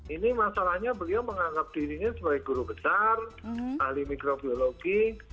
ini masalahnya beliau menganggap dirinya sebagai guru besar ahli mikrobiologi